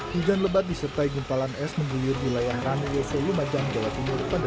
hai hujan lebat disertai gempalan es menggulir di layar ranggul yoso lima jam jawa timur pada